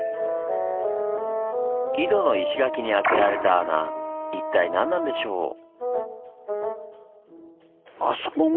井戸の石垣に開けられた穴一体何なんでしょう？